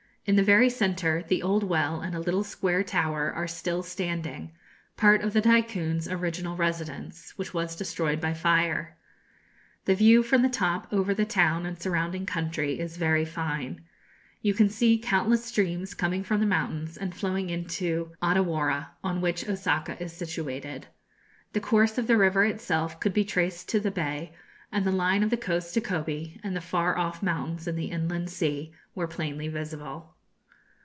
In the very centre, the old well and a little square tower are still standing, part of the Tycoon's original residence, which was destroyed by fire. The view from the top over the town and surrounding country is very fine. You can see countless streams coming from the mountains, and flowing into Odawarra, on which Osaka is situated. The course of the river itself could be traced to the bay; and the line of coast to Kobe, and the far off mountains in the Inland Sea were plainly visible.